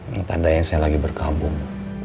ini tanda yang saya lagi berkabung